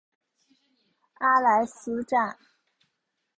阿莱斯站。